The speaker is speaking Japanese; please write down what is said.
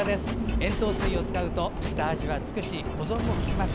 塩糖水を使うと、下味はつくし保存も利きます。